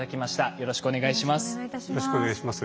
よろしくお願いします。